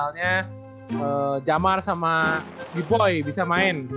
tepat banget nih ibib